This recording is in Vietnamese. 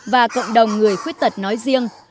và cộng đồng người khuyết tật nói riêng